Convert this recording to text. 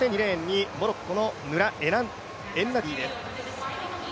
そして２レーンにモロッコのヌラ・エンナディです。